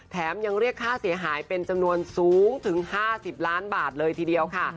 ยังเรียกค่าเสียหายเป็นจำนวนสูงถึง๕๐ล้านบาทเลยทีเดียวค่ะ